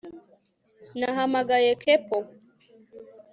Nahamagaye couple